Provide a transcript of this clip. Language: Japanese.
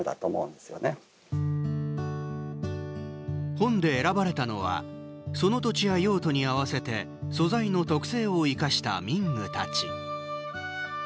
本で選ばれたのはその土地や用途に合わせて素材の特性を生かした民具たち。